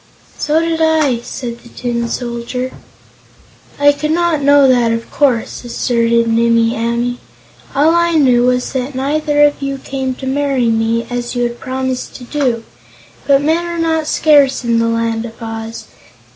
"So did I," said the Tin Soldier. "I could not know that, of course," asserted Nimmie Amee. "All I knew was that neither of you came to marry me, as you had promised to do. But men are not scarce in the Land of Oz.